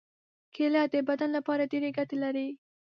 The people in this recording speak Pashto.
کېله د بدن لپاره ډېرې ګټې لري.